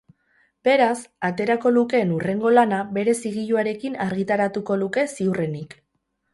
Beraz, aterako lukeen hurrengo lana bere zigiluarekin argitaratuko luke ziurrenik.